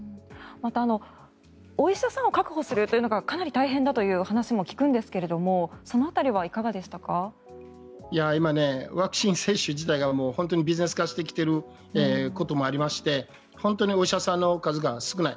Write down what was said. また、お医者さんを確保するというのがかなり大変だというお話も聞くんですけれども今、ワクチン接種自体が本当にビジネス化しているということもありまして本当にお医者さんの数が少ない。